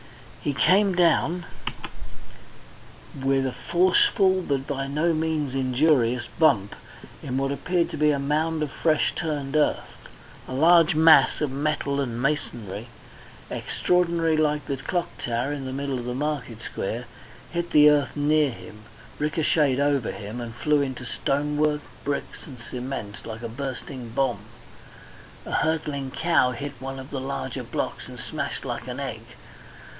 He came down with a forcible, but by no means injurious, bump in what appeared to be a mound of fresh turned earth. A large mass of metal and masonry, extraordinarily like the clock tower in the middle of the market square, hit the earth near him, ricochetted over him, and flew into stonework, bricks, and cement, like a bursting bomb. A hurtling cow hit one of the larger blocks and smashed like an egg.